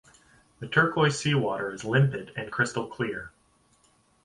The turquoise sea water is limpid and crystal clear.